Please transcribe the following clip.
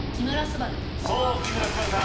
そう木村昴さん